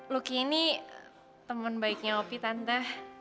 luki ini temen baiknya opi tante